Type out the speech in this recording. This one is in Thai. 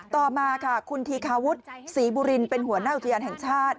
ต่อมาค่ะคุณธีคาวุฒิศรีบุรินเป็นหัวหน้าอุทยานแห่งชาติ